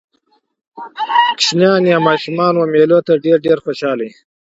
کوچنيان يا ماشومان و مېلو ډېر ته ډېر خوشحاله يي.